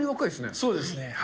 そうですね。